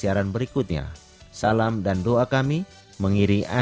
yesus mau datang segera